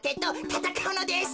たたかうのです。